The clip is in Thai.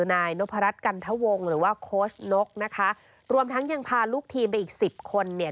นายนพรัชกันทะวงหรือว่าโค้ชนกนะคะรวมทั้งยังพาลูกทีมไปอีกสิบคนเนี่ย